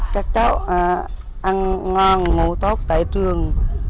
các cháu ăn ngon ngủ tốt tại trường